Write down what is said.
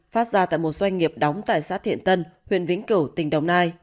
phát ra tại một doanh nghiệp đóng tại xã thiện tân huyện vĩnh cửu tỉnh đồng nai